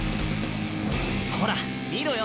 ほら見ろよ。